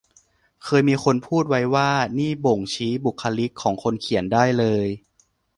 เคยมีคนพูดไว้ว่า นี่บ่งชี้บุคลิกของคนเขียนได้เลย